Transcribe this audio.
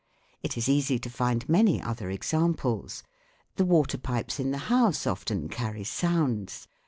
It is easy to find many other examples. The water pipes in the house often carry sounds.